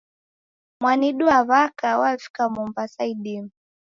Mwanidu wa w'aka wavika Mombasa idime.